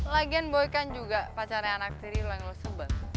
lagian boy kan juga pacarnya anak diri lo yang lo sebut